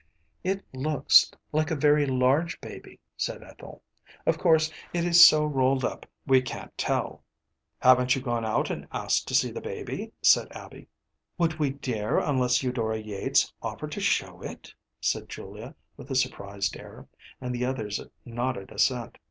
‚ÄĚ “It looks like a very large baby,‚ÄĚ said Ethel. “Of course, it is so rolled up we can’t tell.‚ÄĚ “Haven’t you gone out and asked to see the baby?‚ÄĚ said Abby. “Would we dare unless Eudora Yates offered to show it?‚ÄĚ said Julia, with a surprised air; and the others nodded assent.